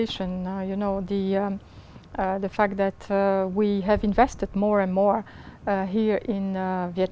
từ một ngày đến lúc khác